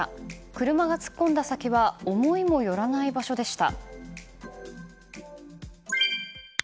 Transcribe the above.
車が突っ込んだ先は思いもよらない場所でした。